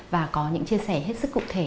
và có những chia sẻ hết sức cụ thể